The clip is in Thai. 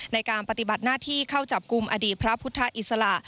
ในการปฏิบัติหน้าที่เข้าจับกลุ่มอดีตพระพุทธอิสระ